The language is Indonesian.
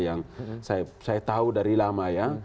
yang saya tahu dari lama ya